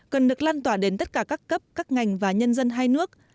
cần được lan tỏa đến tất cả các cấp các ngành và nhân dân hai nước